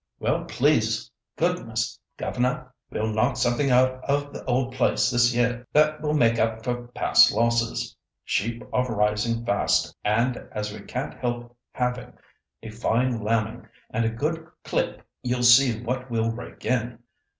"Well, please goodness, governor, we'll knock something out of the old place this year that will make up for past losses. Sheep are rising fast, and, as we can't help having a fine lambing and a good clip, you'll see what we'll rake in.